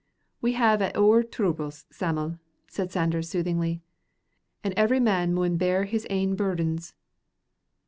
"We have a' oor troubles, Sam'l," said Sanders, soothingly, "an' every man maun bear his ain burdens.